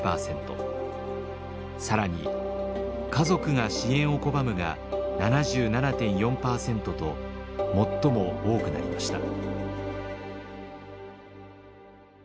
更に「家族が支援を拒む」が７７．４％と最も多くなりました。